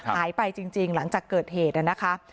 หายไปจริงหลังจากเกิดเหตุนะคะ